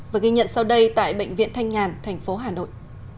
và ghi nhận sau đây tại bệnh viện thanh nhàn thành phố hà nội